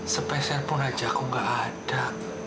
spesial pun aja aku nggak ada